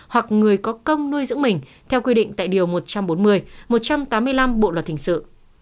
hoặc người có công nuôi dưỡng mình theo quy định tại điều một trăm bốn mươi một trăm tám mươi năm bộ luật hình sự